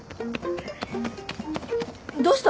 どうした？